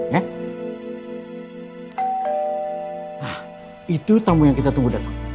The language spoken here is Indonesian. nah itu tamu yang kita tunggu datang